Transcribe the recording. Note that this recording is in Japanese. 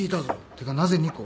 てかなぜ２個？